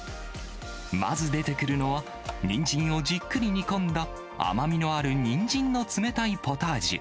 まず出てくるのは、にんじんをじっくり煮込んだ甘みのあるにんじんの冷たいポタージュ。